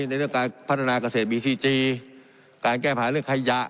ในเรื่องการพัฒนาเกษตรบีซีจีการแก้ปัญหาเรื่องขยะ